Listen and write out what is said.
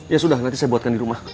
ya sudah nanti saya buatkan di rumah